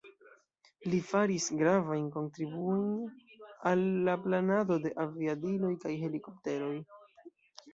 Li faris gravajn kontribuojn al la planado de aviadiloj kaj helikopteroj.